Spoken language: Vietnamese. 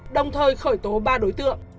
đồng thời khởi tố ba đối tượng